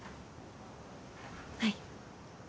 はい。